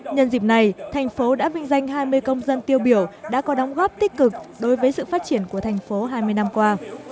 nhân dịp này thành phố đã vinh danh hai mươi công dân tiêu biểu đã có đóng góp tích cực đối với sự phát triển của thành phố hai mươi năm qua